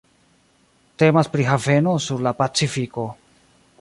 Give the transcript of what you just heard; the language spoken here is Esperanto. Temas pri haveno sur la Pacifiko.